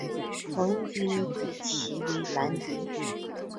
盟军对其为兰迪。